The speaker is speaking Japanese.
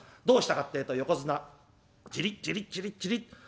どうしたかってえと横綱ジリッジリッジリッジリッ。